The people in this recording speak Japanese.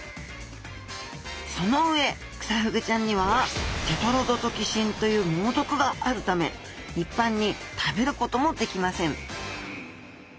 その上クサフグちゃんにはテトロドトキシンという猛毒があるため一般に食べることもできません